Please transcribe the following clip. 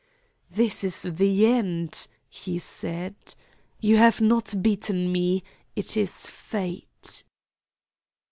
"This is the end," he said. "You have not beaten me. It is Fate."